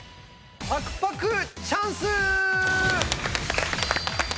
パクパクチャンス！